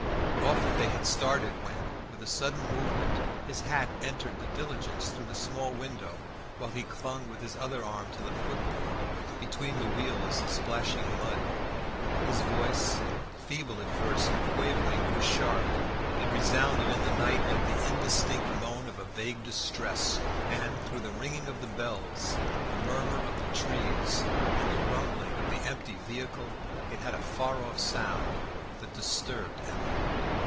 Often they had started when, with a sudden movement, his hat entered the diligence through the small window, while he clung with his other arm to the footboard, between the wheels splashing mud. His voice, feeble at first and quavering, grew sharp; it resounded in the night like the indistinct moan of a vague distress; and through the ringing of the bells, the murmur of the trees, and the rumbling of the empty vehicle, it had a far off sound that disturbed Emma.